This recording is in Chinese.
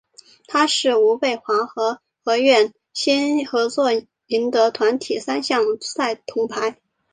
他与吴蓓华和何苑欣合作赢得团体三项赛铜牌。